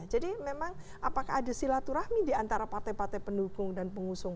jadi memang apakah ada silaturahmi diantara partai partai pendukung dan pendukung